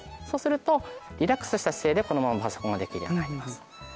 そうするとリラックスした姿勢でこのままパソコンができるようになります。